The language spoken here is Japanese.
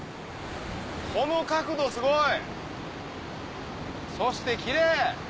この角度すごい！そしてキレイ！